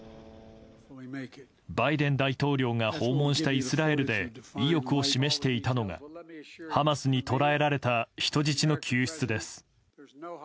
バイデン大統領が訪問したイスラエルで意欲を示していたのがハマスに捕らえられた人質の救出です。